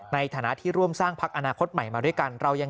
ในฐานะที่ร่วมสร้างพักอนาคตใหม่มาด้วยกัน